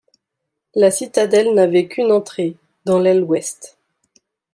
La citadelle n’avait qu’une entrée, dans l’aile ouest.